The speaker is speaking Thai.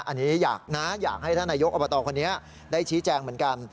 อันนี้อยากนะอยากให้ท่านนายกอบตคนนี้ได้ชี้แจงเหมือนกัน